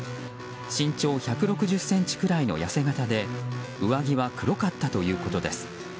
身長１６０ｃｍくらいの痩せ形で上着は黒かったということです。